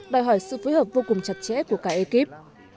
đòi hỏi sự phối hợp vô cùng chặt chẽ của cả ekip